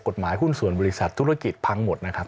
หุ้นส่วนบริษัทธุรกิจพังหมดนะครับ